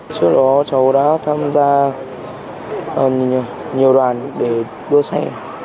trước đó cháu đã tham gia nhiều đoàn để đua xe